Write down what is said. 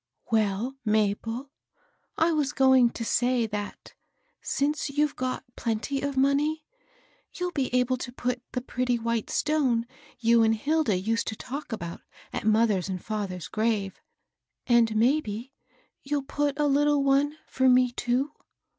^ W^, Mabel, I was going to say, that, since you've got plenty of money, you'll be able to put the pretty white stone you and Hilda used to talk about at mother's and father's grave ; and, maybe, you'll put a little one for me, too.